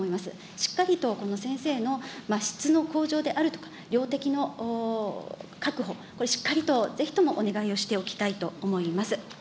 しっかりとこの先生の質の向上であるとか、量的確保、これ、しっかりとぜひともお願いをしておきたいと思います。